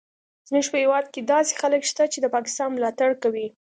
زموږ په هیواد کې داسې خلک شته چې د پاکستان ملاتړ کوي